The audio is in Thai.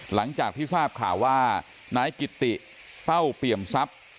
หลังจากที่ทราบข่าวว่านายกิตติเป้าเปี่ยมทรัพย์